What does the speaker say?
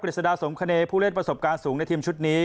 ฤษฎาสมคเนย์ผู้เล่นประสบการณ์สูงในทีมชุดนี้